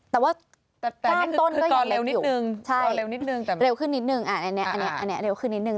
แต่ว่าด้านต้นก็ยังเร็วนิดนึงใช่เร็วขึ้นนิดนึงอันนี้เร็วขึ้นนิดนึ